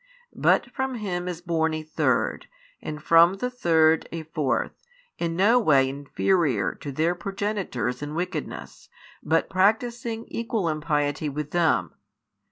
But from him is born a third, and from the third a fourth, in no way inferior to their progenitors in wickedness, but practising equal impiety with them.